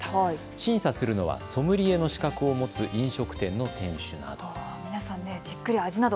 審査するのはソムリエの資格を持つ飲食店の店主など。